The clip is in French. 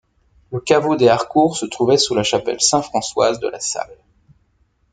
Le caveau des Harcourt se trouvait sous la chapelle Saint-Françoise de la Sales.